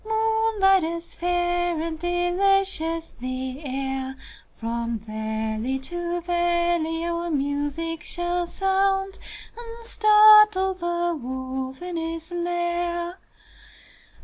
Moonlight is fair and delicious the air; From valley to valley our music shall sound, And startle the wolf in his lair.